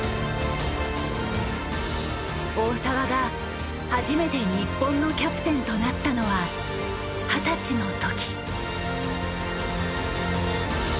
大澤が初めて日本のキャプテンとなったのは二十歳の時。